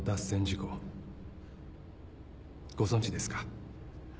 ご存じですか？